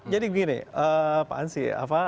jadi begini pak ansi